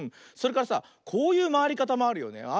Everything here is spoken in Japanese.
それからさこういうまわりかたもあるよね。